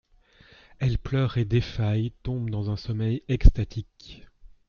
Elles pleurent et défaillent, tombent dans un sommeil extatique.